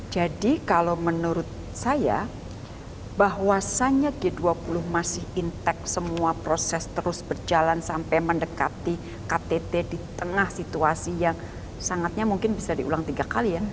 jadi kalau menurut saya bahwasanya g dua puluh masih intact semua proses terus berjalan sampai mendekati ktt di tengah situasi yang sangatnya mungkin bisa diulang tiga kali ya